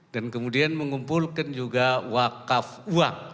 dan kemudian mengumpulkan juga wakaf uang